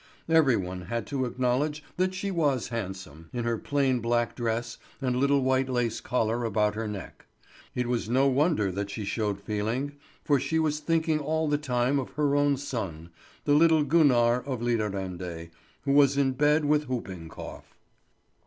Every one had to acknowledge that she was handsome, in her plain black dress and little white lace collar about her neck. It was no wonder that she showed feeling, for she was thinking all the time of her own son, the little Gunnar of Lidarende, who was in bed with whooping cough.